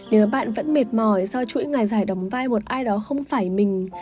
nếu bạn vẫn mệt mỏi do chuỗi ngày dài đóng vai một ai đó không phải mình